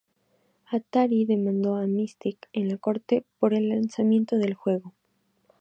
Atari demandó a Mystique en la corte por el lanzamiento del juego.